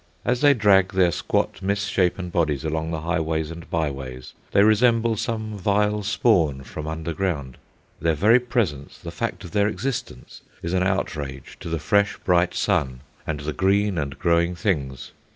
As they drag their squat, misshapen bodies along the highways and byways, they resemble some vile spawn from underground. Their very presence, the fact of their existence, is an outrage to the fresh, bright sun and the green and growing things.